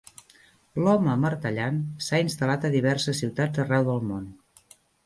"L'home amartellant" s'ha instal·lat a diverses ciutats arreu del món.